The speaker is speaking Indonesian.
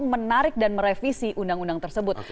menarik dan merevisi undang undang tersebut